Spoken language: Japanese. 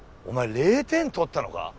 お前０点取ったのか？